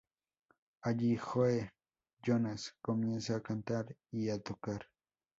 Allí, Joe Jonas comienza a cantar y a tocar.